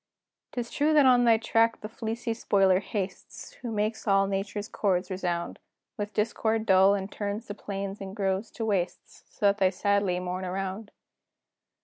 'Tis true that on thy track the fleecy spoiler hastes, Who makes all Nature's chords resound With discord dull, and turns the plains and groves to wastes, So that they sadly mourn around.